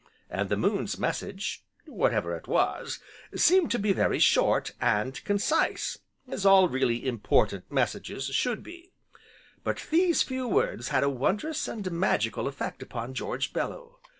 And the Moon's message, (whatever it was), seemed to be very short, and concise, (as all really important messages should be); but these few words had a wondrous, and magical effect upon George Bellew.